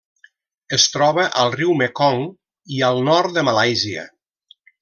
Es troba al riu Mekong i al nord de Malàisia.